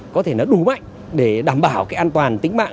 có thể đủ mạnh để đảm bảo an toàn tính mạng